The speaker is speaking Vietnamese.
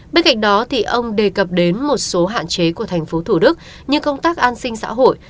bên cạnh đó ông đề cập đến một số hạn chế của thành phố thủ đức như công tác an sinh xã hội